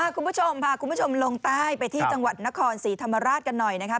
คุณผู้ชมพาคุณผู้ชมลงใต้ไปที่จังหวัดนครศรีธรรมราชกันหน่อยนะครับ